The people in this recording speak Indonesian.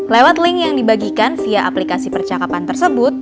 lewat link yang dibagikan via aplikasi percakapan tersebut